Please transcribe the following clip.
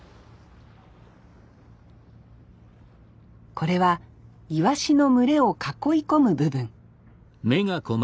これはイワシの群れを囲い込む部分。